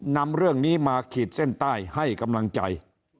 นำเรื่องนี้มาขีดเส้นใต้ให้กำลังใจ